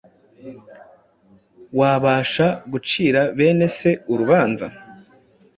wabasha gucira bene se urubanza?